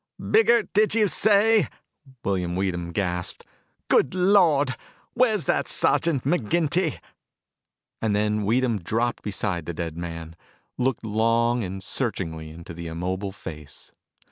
"Biggert, did you say?" William Weedham gasped. "Good lord! Where's that Sergeant McGinty?" And then Weedham dropped beside the dead man, looked long and searchingly into the immobile face.